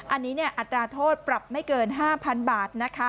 อันนี้อัตราโทษปรับไม่เกิน๕๐๐๐บาทนะคะ